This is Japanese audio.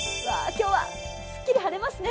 今日はすっきり晴れますね。